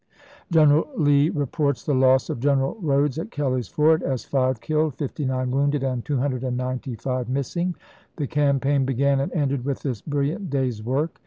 General Lee re ports the loss of General Eodes at Kelly's Ford as five killed, fifty nine wounded, and 295 miss ing The campaign began and ended with this brilliant day's work.